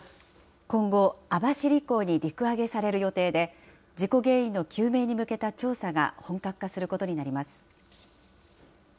今後、網走港に陸揚げされる予定で、事故原因の究明に向けた調査が本格化することになります。